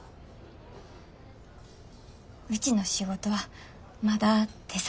うちの仕事はまだ手探りです。